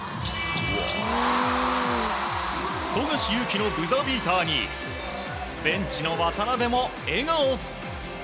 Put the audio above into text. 富樫勇樹のブザービーターにベンチの渡邊も笑顔。